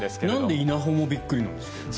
なんで稲穂もびっくりなんですか？